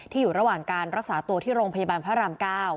อยู่ระหว่างการรักษาตัวที่โรงพยาบาลพระราม๙